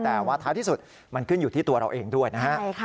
แต่ว่าท้ายที่สุดมันขึ้นอยู่ที่ตัวเราเองด้วยนะฮะ